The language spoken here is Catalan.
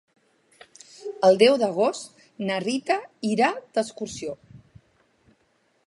El deu d'agost na Rita irà d'excursió.